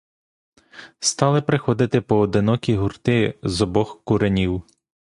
Стали приходити поодинокі гурти з обох куренів.